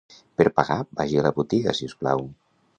Per pagar vagi a la botiga, si us plau.